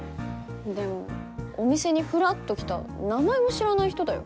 でもお店にふらっと来た名前も知らない人だよ。